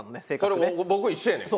それ僕一緒やねん